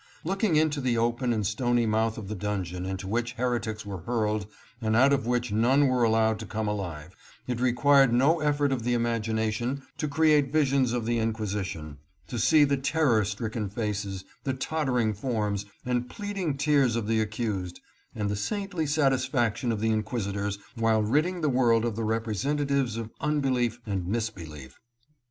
Looking into the open and stony mouth of the dungeon into which here tics were hurled and out of which none were allowed to come alive, it required no effort of the imagination to create visions of the Inquisition, to see the terror stricken faces, the tottering forms, and pleading tears of the accused, and the saintly satisfaction of the inquisitors while ridding the world of the representa tives of unbelief and misbelief.